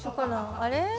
あれ？